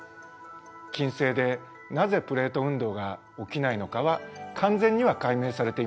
金星でなぜプレート運動が起きないのかは完全には解明されていません。